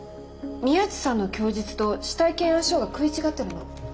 宮地さんの供述と死体検案書が食い違ってるの。